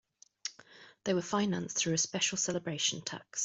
They were financed through a special celebration tax.